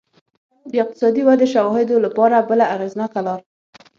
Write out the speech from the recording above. د اقتصادي ودې شواهدو لپاره بله اغېزناکه لار